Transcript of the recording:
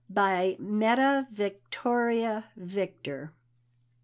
BY METTA VICTORIA VICTOR.